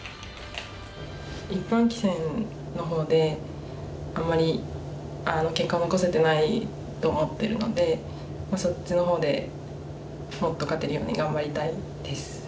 一般棋戦の方であんまり結果を残せてないと思ってるのでそっちの方でもっと勝てるように頑張りたいです。